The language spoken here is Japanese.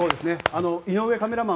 井上カメラマン